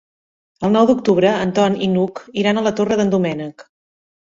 El nou d'octubre en Ton i n'Hug iran a la Torre d'en Doménec.